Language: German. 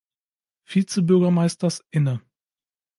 Vizebürgermeisters inne.